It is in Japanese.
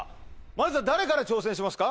まず誰から挑戦しますか？